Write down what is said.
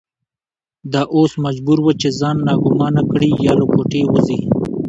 دا اوس مجبوره وه چې ځان ناګومانه کړي یا له کوټې ووځي.